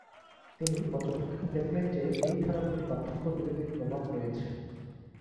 তিনি পর্যবেক্ষণে দেখলেন যে এই থেরাপির বার্ধক্য বিরোধী প্রভাব রয়েছে।